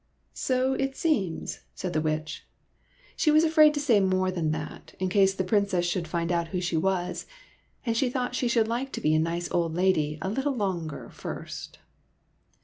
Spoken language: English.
''So it seems," said the Witch. She was afraid to say more than that, in case the Prin cess should find out who she was, and she thought she would like to be a nice old lady a little longer first.